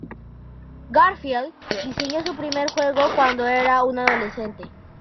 Garfield diseñó su primer juego cuando era un adolescente.